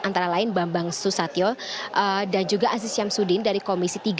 antara lain bambang susatyo dan juga aziz syamsuddin dari komisi tiga